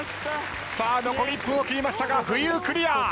さあ残り１分を切りましたが浮遊クリア。